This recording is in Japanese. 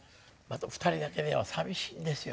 ２人だけでは寂しいんですよね。